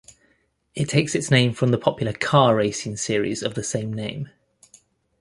It takes its name from the popular car racing series of the same name.